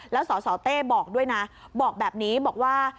แล้วสสเต้บอกด้วยนะบอกแบบนี้บอกว่า